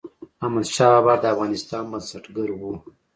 احمدشاه بابا د افغانستان بنسټګر و.